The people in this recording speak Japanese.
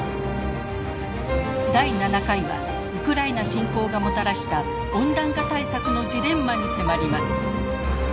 第７回はウクライナ侵攻がもたらした温暖化対策のジレンマに迫ります。